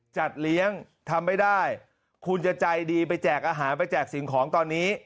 จัดเลี้ยงทำไม่ได้คุณจะใจดีไปแจกอาหารไปแจกสิ่งของตอนนี้